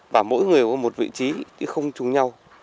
và mỗi người có một vị trí chứ không chung nhau